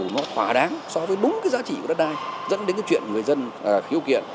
nó khóa đáng so với đúng giá trị của đất đai dẫn đến chuyện người dân khiêu kiện